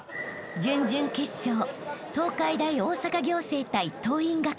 ［準々決勝東海大大阪仰星対桐蔭学園］